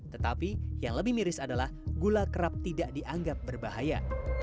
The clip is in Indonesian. tetapi yang lebih miris adalah gula kerap tidak dianggap berbahaya